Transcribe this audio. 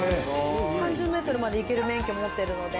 ３０メートルまで行ける免許持ってるので。